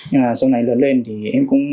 nhưng mà sau này lớn lên thì em cũng